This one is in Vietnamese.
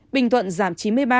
bình thuận giảm chín mươi ba